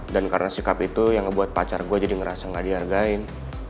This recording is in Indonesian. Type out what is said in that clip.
dan karena sikap itu yang ngebuat pacar gue jadi ngerasa gak dihargain